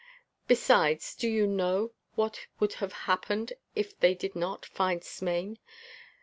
Besides, do you know what would have happened if they did not find Smain?